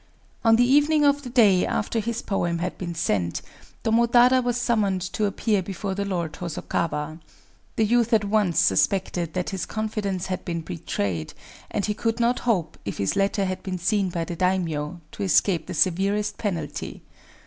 _] On the evening of the day after this poem had been sent, Tomotada was summoned to appear before the Lord Hosokawa. The youth at once suspected that his confidence had been betrayed; and he could not hope, if his letter had been seen by the daimyō, to escape the severest penalty.